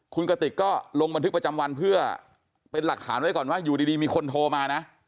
คุณกติกก็ลงบันทึกประจำวันเพื่อเป็นหลักฐานไว้ก่อนว่าอยู่ดีมีคนโทรมานะ